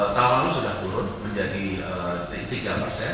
tahun lalu sudah turun menjadi tiga persen